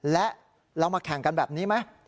และเรามาแข่งกันแบบนี้ไหม